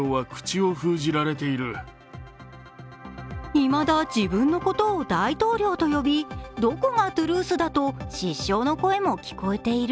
いまだ自分のことを「大統領」と呼どこがトゥルースだと失笑の声も聞こえている。